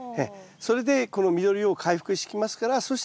それでこの緑を回復してきますからそしたらですね